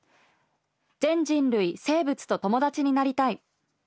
「全人類生物と友達になりたい！